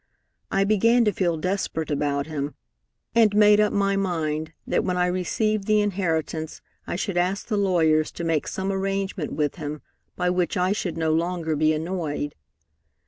I began to feel desperate about him, and made up my mind that when I received the inheritance I should ask the lawyers to make some arrangement with him by which I should no longer be annoyed.